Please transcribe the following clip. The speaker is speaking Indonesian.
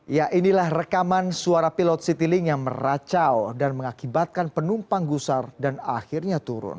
ya inilah rekaman suara pilot citylink yang meracau dan mengakibatkan penumpang gusar dan akhirnya turun